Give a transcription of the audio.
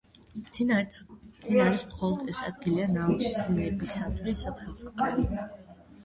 მდინარის მხოლოდ ეს ადგილია ნაოსნობისათვის ხელსაყრელი.